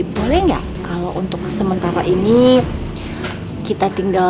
salah satu kesini mengamalku tuh beeus